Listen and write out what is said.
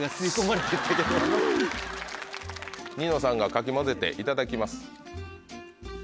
ニノさんがかき混ぜていただきます。